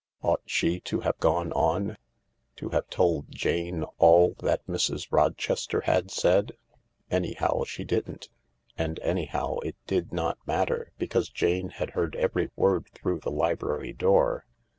Ought she to have gone on ? To have told Jane all 250 THE LARK that Mrs. Rochester had said ? Anyhow, she didn't. And anyhow, it did not matter, because Jane had heard every word through the library door.